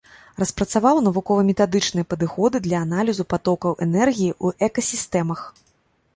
Распрацаваў навукова-метадычныя падыходы для аналізу патокаў энергіі ў экасістэмах.